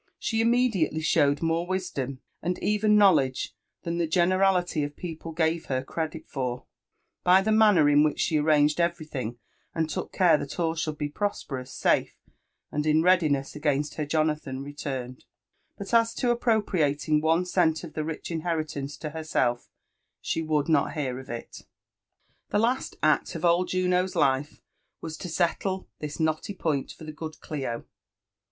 She immedial^ly showed more wisdom, and even knowledge, than the generality o( people gave her credit for, by the manner in which she arranged every thing, and took care that allshould be prosperous, safe, and in readiness against her Jonathan returned ; but as to appropriating one cent of the rich inheritance to herself, she would not hear of it. The last act of old Juno's life was to settle this knotty point for the good Clio.